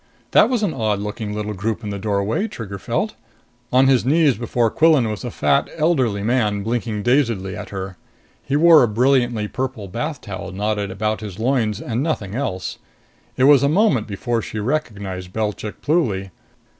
That was an odd looking little group in the doorway, Trigger felt. On his knees before Quillan was a fat, elderly man, blinking dazedly at her. He wore a brilliantly purple bath towel knotted about his loins and nothing else. It was a moment before she recognized Belchik Pluly.